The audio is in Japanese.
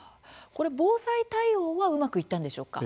これ、防災対応はうまくいったんでしょうか。